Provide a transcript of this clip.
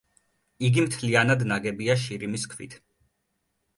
იგი მთლიანად ნაგებია შირიმის ქვით.